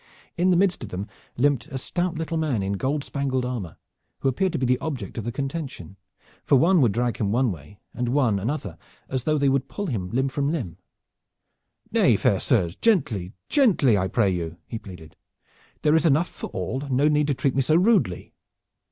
In the midst of them limped a stout little man in gold spangled armor, who appeared to be the object of the contention, for one would drag him one way and one another, as though they would pull him limb from limb. "Nay, fair sirs, gently, gently, I pray you!" he pleaded. "There is enough for all, and no need to treat me so rudely."